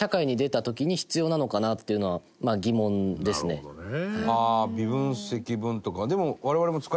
なるほどね。